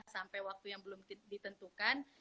sampai waktu yang belum ditentukan